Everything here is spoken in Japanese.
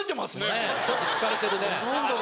ちょっと疲れてるね。